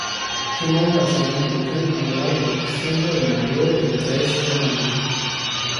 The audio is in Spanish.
Kimmel nació en Brooklyn, Nueva York, siendo el mayor de tres hermanos.